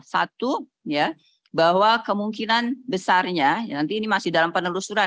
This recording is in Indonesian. satu bahwa kemungkinan besarnya nanti ini masih dalam penelusuran